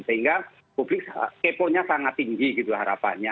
sehingga publik kepo nya sangat tinggi gitu harapannya